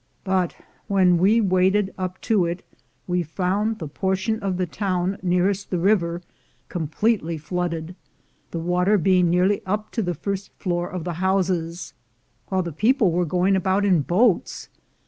But when we waded up to it, we found the portion of the town nearest the river completely flooded, the water being nearly up to the first floor of the houses, while the people were going about in boats.